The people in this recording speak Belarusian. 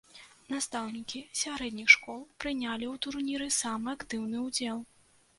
Настаўнікі сярэдніх школ прынялі ў турніры самы актыўны ўдзел.